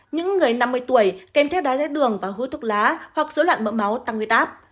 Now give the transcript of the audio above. những người năm mươi tuổi kèm thép đai tháo đường và hút thuốc lá hoặc dỗ loạn mỡ máu tăng huyết áp